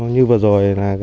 như vừa rồi